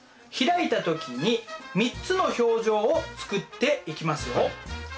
開いた時に３つの表情を作っていきますよ。